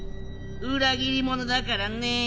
裏切り者だからね。